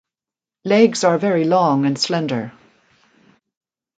Legs are very long and slender.